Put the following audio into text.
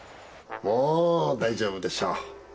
もう大丈夫でしょう。